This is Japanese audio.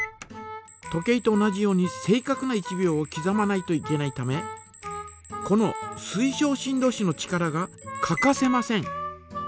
時計と同じように正かくな１秒をきざまないといけないためこの水晶振動子の力が欠かせません。